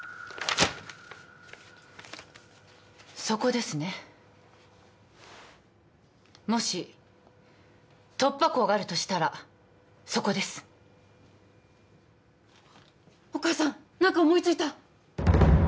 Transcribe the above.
そこですねもし突破口があるとしたらそこですお母さん何か思いついた？